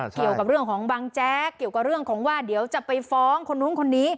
เกี่ยวกับเรื่องของบังแจ๊กเกี่ยวกับเรื่องของว่าเดี๋ยวจะไปฟ้องคนนู้นคนนี้